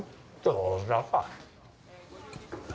どうだか。